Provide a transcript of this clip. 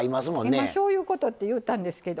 今「しょうゆうこと」って言うたんですけど。